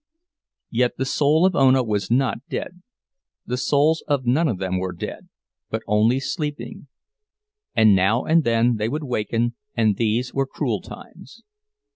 Yet the soul of Ona was not dead—the souls of none of them were dead, but only sleeping; and now and then they would waken, and these were cruel times.